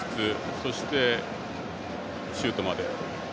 そして、シュートまで。